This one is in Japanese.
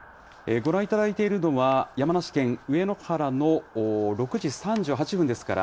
ご覧いただいているのは、山梨県上野原の６時３８分ですから、